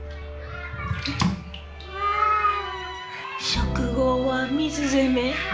食後は水攻め？